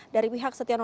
dari pihak setia novanto